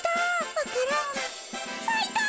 わか蘭がさいた！